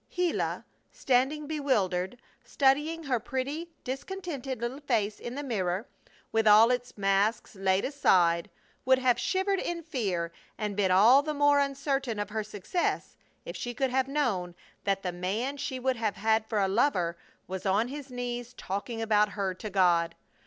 Gila, standing bewildered, studying her pretty, discontented little face in the mirror, with all its masks laid aside, would have shivered in fear and been all the more uncertain of her success if she could have known that the man she would have had for a lover was on his knees talking about her to God.